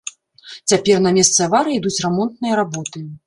Цяпер на месцы аварыі ідуць рамонтныя работы.